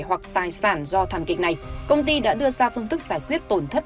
hoặc tài sản do thảm kịch này công ty đã đưa ra phương thức giải quyết tổn thất